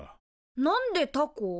なんでタコ？